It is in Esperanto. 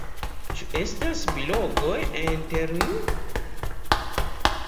Ĉu estas biologoj inter ni?